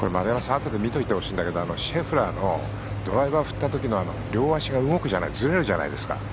あとで見ていてほしいんだけどシェフラーがドライバー振った時動くじゃないずれるじゃないですか。